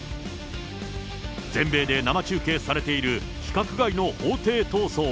全米で生中継されている規格外の法定闘争。